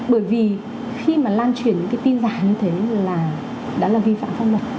bởi vì khi mà lan truyền những cái tin giả như thế là đã là vi phạm pháp luật